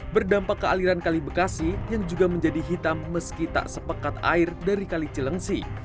berdampak ke aliran kali bekasi yang juga menjadi hitam meski tak sepekat air dari kali cilengsi